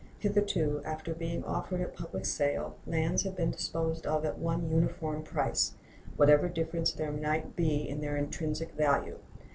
Hitherto, after being offered at public sale, lands have been disposed of at one uniform price, whatever difference there might be in their intrinsic value.